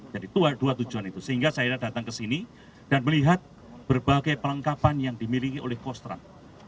jadi itu adalah dua tujuan itu sehingga saya datang ke sini dan melihat berbagai perlengkapan yang dimiliki oleh kostrad